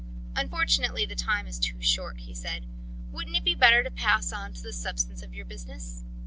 "Unfortunately the time is too short," he said. "Wouldn't it be better to pass on to the substance of your business?